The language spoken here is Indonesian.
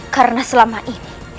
karena selama ini